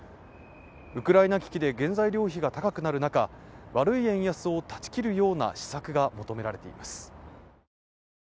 ウクライナ危機で原材料費が高くなる中、悪い円安を断ち切るような施策が求められています。